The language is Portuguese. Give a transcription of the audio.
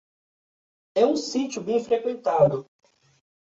É um sítio bem frequentado